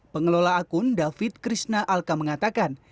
pengelola akun david krishna alka mengatakan